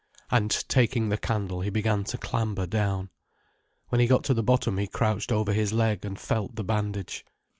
And taking the candle he began to clamber down. When he got to the bottom he crouched over his leg and felt the bandage.